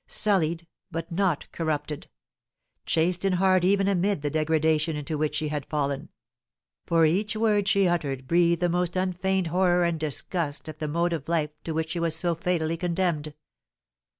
Sullied, but not corrupted; chaste in heart even amid the degradation into which she had fallen; for each word she uttered breathed the most unfeigned horror and disgust at the mode of life to which she was so fatally condemned.